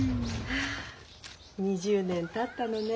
２０年たったのね。